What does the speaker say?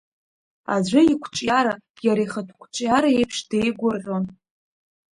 Аӡәы иқәҿиара, иара ихатә қәҿиара еиԥш деигәырӷьон.